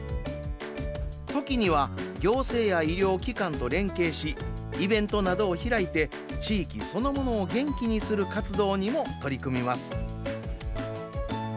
ときには行政や医療機関と連携しイベントなどを開いて地域そのものを元気にする活動にも取り組みます。